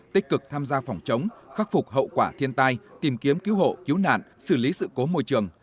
tích cực tham gia phòng chống khắc phục hậu quả thiên tai tìm kiếm cứu hộ cứu nạn xử lý sự cố môi trường